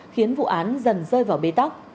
khiến vụ án dần rơi vào bê tóc